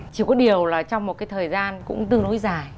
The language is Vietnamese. chỉ có điều là trong một cái thời gian cũng tư nối dài